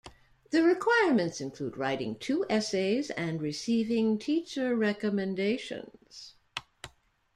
The requirements include writing two essays and receiving teacher recommendations.